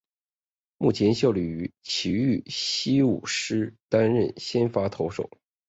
目前效力于崎玉西武狮担任先发投手。